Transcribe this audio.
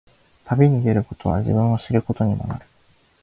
旅に出ることは、自分を知ることにもなる。